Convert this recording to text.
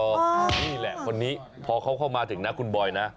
นี่แหละคนนี้พอเขาเข้ามาถึงนะคุณบอยนะ